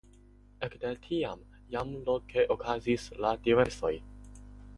Ekde tiam jam loke okazis la diservoj.